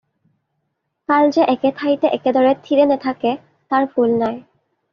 কাল যে একে ঠাইতে একেদৰে থিৰে নেথাকে তাৰ ভুল নাই।